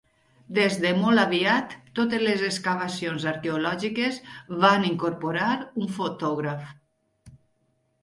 Des de molt aviat, totes les excavacions arqueològiques van incorporar un fotògraf.